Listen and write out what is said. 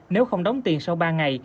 nếu không đóng tiền sau ba ngày